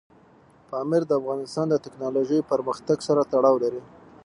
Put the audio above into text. پامیر د افغانستان د تکنالوژۍ پرمختګ سره تړاو لري.